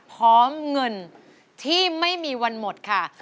พร้อมเงินที่ไม่มีวันหมดค่ะ